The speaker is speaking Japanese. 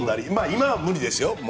今は無理ですよ。